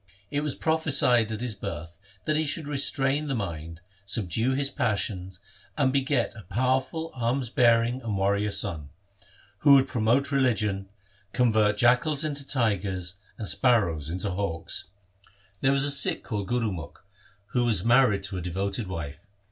It was prophesied at his birth, that he should restrain his mind, subdue his passions, and beget a powerful arms bearing and warrior son, who would promote religion, convert jackals into tigers, and sparrows into hawks. LIFE OF GURU HAR GOBIND 71 There was a Sikh called Gurumukh who was married to a devoted wife.